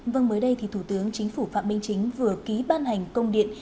vâng mới đây thì thủ tướng chính phủ phạm minh chính vừa ký ban hành công điện